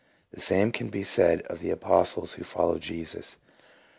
The same can be said of the apostles who followed Jesus.